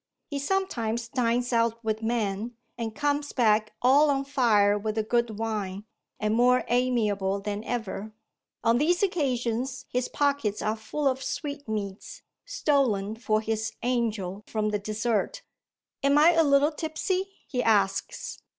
He sometimes dines out with men, and comes back all on fire with the good wine, and more amiable than ever. On these occasions his pockets are full of sweetmeats, stolen for 'his angel' from the dessert. 'Am I a little tipsy?' he asks.